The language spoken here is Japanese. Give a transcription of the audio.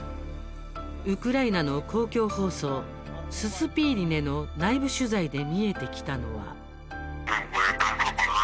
ウクライナの公共放送ススピーリネの内部取材で見えてきたのは。